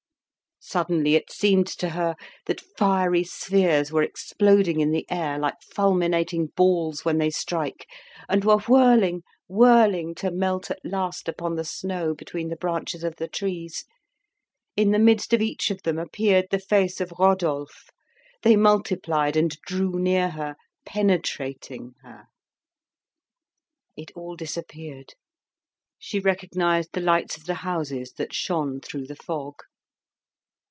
Suddenly it seemed to her that fiery spheres were exploding in the air like fulminating balls when they strike, and were whirling, whirling, to melt at last upon the snow between the branches of the trees. In the midst of each of them appeared the face of Rodolphe. They multiplied and drew near her, penetrating, her. It all disappeared; she recognised the lights of the houses that shone through the fog.